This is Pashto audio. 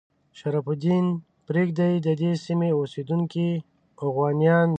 شرف الدین یزدي د دې سیمې اوسیدونکي اوغانیان بولي.